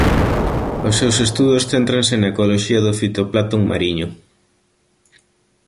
Os seus estudos céntranse na ecoloxía do fitoplancto mariño.